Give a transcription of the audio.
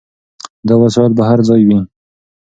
دا وسایل به هر ځای وي.